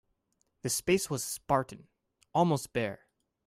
The space was spartan, almost bare.